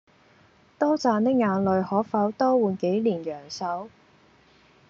多賺的眼淚可否多換幾年陽壽？